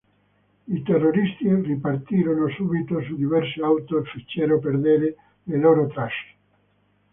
I terroristi ripartirono subito su diverse auto e fecero perdere le loro tracce.